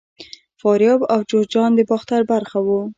فاریاب او جوزجان د باختر برخه وو